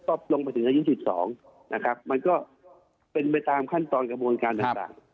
ก็ลงไปถึงอายุ๑๒นะครับมันก็เป็นไปตามขั้นตอนกระบวนการต่าง